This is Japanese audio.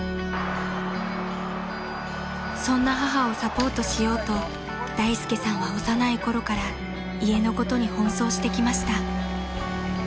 ［そんな母をサポートしようと大介さんは幼い頃から家のことに奔走してきました］